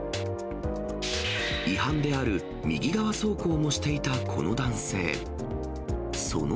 違反である右側走行もしていたこの男性。